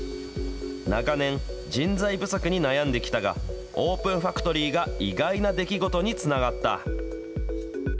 長年、人材不足に悩んできたが、オープンファクトリーが意外な出来事につながった。